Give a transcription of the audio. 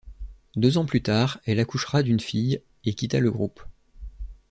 Deux ans plus tard, elle accouchera d'une fille et quitta le groupe.